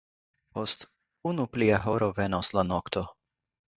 Post unu plia horo venos la nokto.